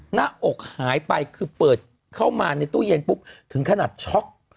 หน้าอกหายไปคือเปิดเข้ามาในตู้เย็นปุ๊บถึงขนาดช็อก